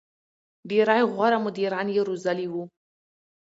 • ډېری غوره مدیران یې روزلي وو.